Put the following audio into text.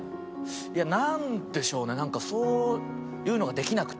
いやなんでしょうねなんかそういうのができなくて。